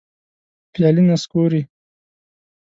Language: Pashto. پیالي نسکوري